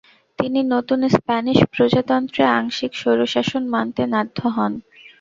তিনি নতুন স্প্যানিশ প্রজাতন্ত্রে আংশিক স্বৈরশাসন মানতে নাধ্য হন।